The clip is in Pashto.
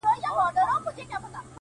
دا خو رښتيا خبره.